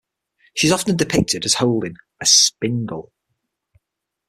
She is often depicted as holding a spindle.